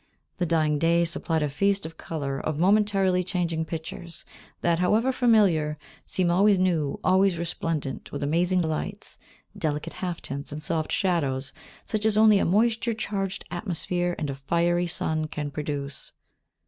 The dying day supplied a feast of colour, of momentarily changing pictures that, however familiar, seem always new, always resplendent with amazing lights, delicate half tints, and soft shadows, such as only a moisture charged atmosphere and a fiery sun can produce.